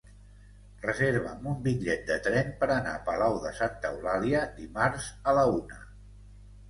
Reserva'm un bitllet de tren per anar a Palau de Santa Eulàlia dimarts a la una.